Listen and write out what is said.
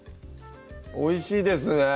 おいしいですね